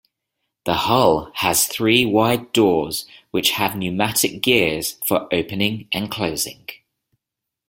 The hull has three wide doors which have pneumatic gears for opening and closing.